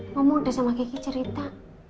ngomong deh sama kiki cerita